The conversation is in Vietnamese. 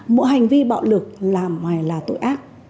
mỗi hành vi bạo lực là ngoài là tội ác